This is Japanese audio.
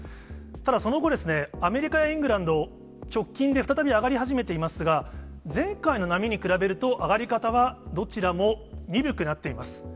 ただ、その後、アメリカやイングランド、直近で再び上がり始めていますが、前回の波に比べると、上がり方がどちらも鈍くなっています。